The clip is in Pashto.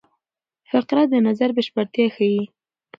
فقره د نظر بشپړتیا ښيي.